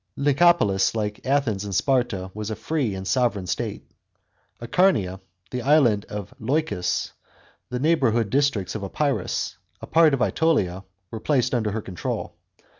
Nicopolis, like Athens and Sparta, was a free and sovran state. Acarnania, the island of Leucas, the neighbouring districts of Epirus, a part of ^Etolia, were placed under her control.